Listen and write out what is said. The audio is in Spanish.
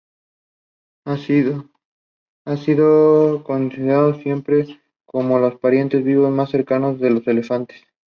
Han sido considerados siempre como los parientes vivos más cercanos de los elefantes.